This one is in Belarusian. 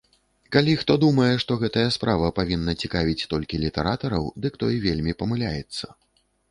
Калі хто думае, што гэтая справа павінна цікавіць толькі літаратараў, дык той вельмі памыляецца.